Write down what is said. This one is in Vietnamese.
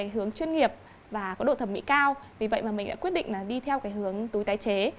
hướng chuyên nghiệp và có độ thẩm mỹ cao vì vậy mà mình đã quyết định là đi theo hướng túi tái chế